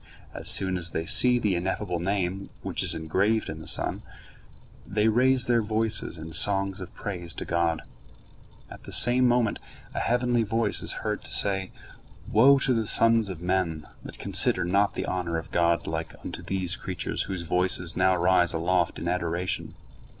As soon as they see the Ineffable Name, which is engraved in the sun, they raise their voices in songs of praise to God. At the same moment a heavenly voice is heard to say, "Woe to the sons of men that consider not the honor of God like unto these creatures whose voices now rise aloft in adoration."